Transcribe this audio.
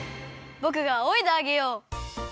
ぼくがあおいであげよう。